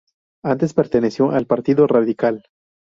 Antes perteneció al Partido Radical.